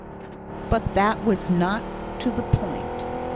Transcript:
But that was not to the point.